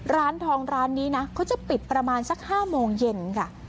ร้านทองร้านนี้นะเขาจะปิดประมาณสัก๕โมงเย็นค่ะ